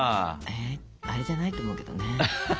あれじゃないと思うけどね。